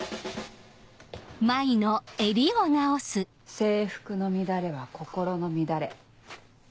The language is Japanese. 制服の乱れは心の乱れ。